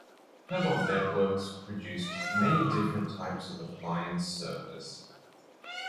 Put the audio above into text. Cobalt Networks produced many different types of appliance servers.